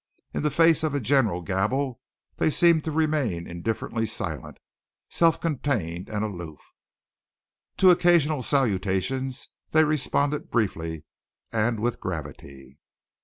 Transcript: In the face of a general gabble they seemed to remain indifferently silent, self contained and aloof. To occasional salutations they responded briefly and with gravity.